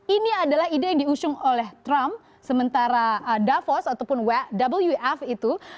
ini adalah ide yang diusung oleh trump sementara davos ataupun wf itu